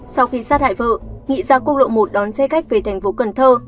sau khi sát hại vợ nghị ra quốc lộ một đón xe khách về thành phố cần thơ